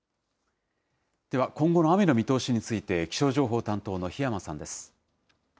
では今後の雨の見通しについて、気象情報担当の檜山さんです。